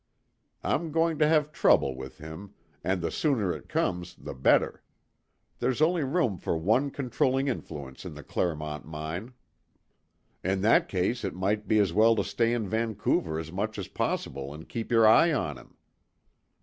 I'm going to have trouble with him, and the sooner it comes the better. There's only room for one controlling influence in the Clermont mine." "In that case it might be as well to stay in Vancouver as much as possible and keep your eye on him."